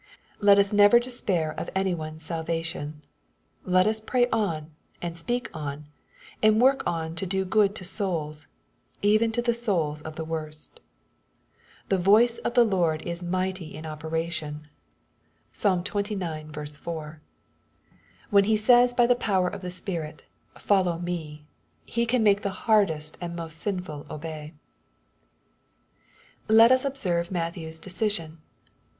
Let us never despair of any one's salvation. Let us pray on, and speak on, and work on to do good to souls, even to the souls of the worst. " The voice of the Lord is mighty in operation." (PsaL MATTHEW. CHAP. IX. 8S xxix. 4.) When He says by the power of the Spirit, ^^ follow me/' He can make the hardest and most sinful obey. Let us observe Matthew's deciaion.